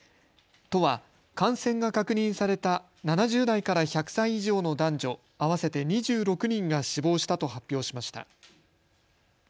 都は感染が確認された７０代から１００歳以上の男女合わせて２６人が死亡したと発表しました。